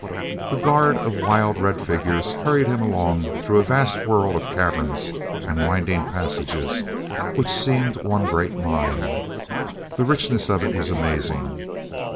The guard of wild red figures hurried him along through a vast world of caverns and winding passages which seemed one great mine. The richness of it was amazing.